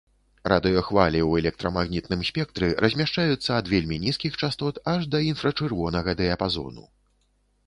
Радыёхвалі ў электрамагнітным спектры размяшчаюцца ад вельмі нізкіх частот аж да інфрачырвонага дыяпазону.